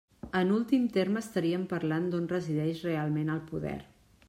En últim terme estaríem parlant d'on resideix realment el poder.